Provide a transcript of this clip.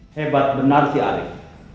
hebat benar si arief